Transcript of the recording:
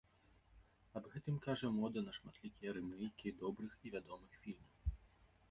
Аб гэтым кажа мода на шматлікія рымейкі добрых і вядомых фільмаў.